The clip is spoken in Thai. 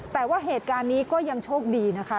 แต่ว่าเหตุการณ์นี้ก็ยังโชคดีนะคะ